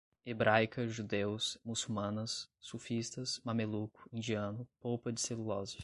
hebraica, judeus, muçulmanos, sufistas, mameluco, indiano, polpa de celulose